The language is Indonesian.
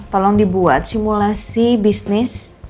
tolong dibuat simulasi bisnis